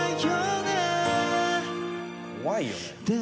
「怖いよね」？